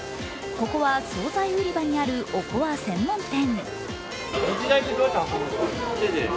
ここは総菜売り場にあるおこわ専門店。